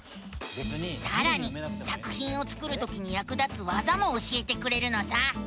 さらに作ひんを作るときにやく立つわざも教えてくれるのさ！